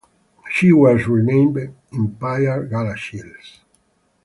She was renamed "Empire Galashiels".